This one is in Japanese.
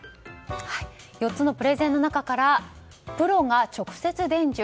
４つのプレゼンの中からプロが直接伝授